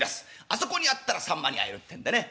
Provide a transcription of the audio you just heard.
あそこにあったらさんまに会えるってんでね。